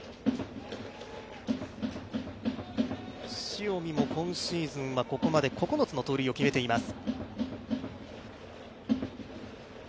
塩見も今シーズンはここまで９つの盗塁を決めています。